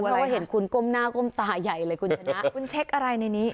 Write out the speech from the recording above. เพราะว่าเห็นคุณก้มหน้าก้มตาใหญ่เลยคุณชนะคุณเช็คอะไรในนี้